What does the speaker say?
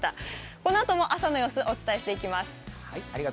このあとも朝の様子をお伝えしていきます。